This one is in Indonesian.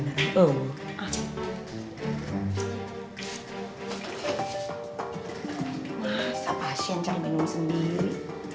masa pasien yang minum sendiri